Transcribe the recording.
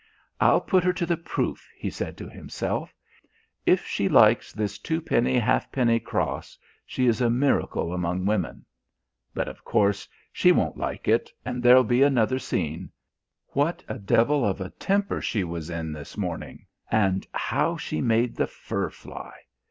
"I'll put her to the proof," he said to himself, "if she likes this twopenny halfpenny cross, she is a miracle among women. But, of course, she won't like it and there'll be another scene. What a devil of a temper she was in this morning and how she made the fur fly!